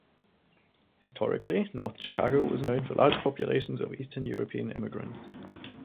Historically, North Chicago was known for large populations of Eastern European immigrants.